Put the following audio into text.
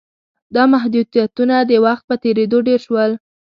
دا محدودیتونه د وخت په تېرېدو ډېر شول